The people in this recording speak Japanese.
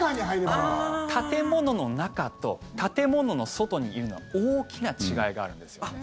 建物の中と建物の外にいるのは大きな違いがあるんです。